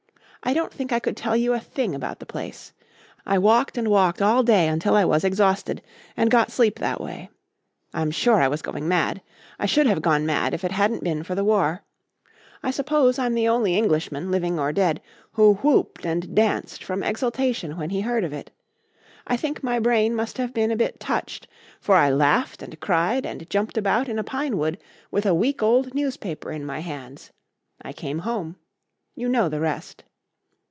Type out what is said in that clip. I don't think I could tell you a thing about the place. I walked and walked all day until I was exhausted, and got sleep that way. I'm sure I was going mad. I should have gone mad if it hadn't been for the war. I suppose I'm the only Englishman living or dead who whooped and danced with exultation when he heard of it. I think my brain must have been a bit touched, for I laughed and cried and jumped about in a pine wood with a week old newspaper in my hands. I came home. You know the rest."